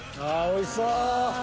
おいしそう！